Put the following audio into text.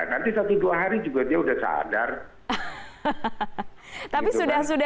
nanti satu dua hari juga dia sudah sadar